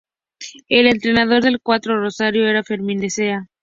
El entrenador del cuadro rosarino era Fermín Lecea.